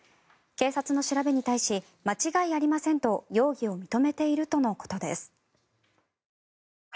警察の調べに対し間違いありませんと容疑を認めているとのことです。